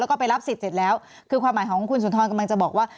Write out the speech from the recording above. แล้วก็ไปรับสิทธิ์เสร็จแล้วคือความหมายของคุณสุนทรกำลังจะบอกว่า